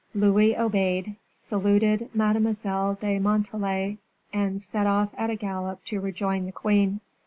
Louis obeyed, saluted Mademoiselle de Montalais, and set off at a gallop to rejoin the queen.